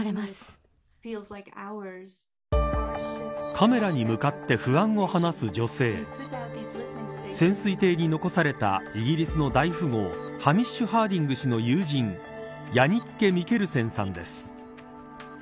カメラに向かって不安を話す女性潜水艇に残されたイギリスの大富豪ハミッシュ・ハーディング氏の友人ヤニッケ・ミケルセンさんです。